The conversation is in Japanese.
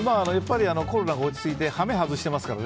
コロナが落ち着いて羽目外してますから。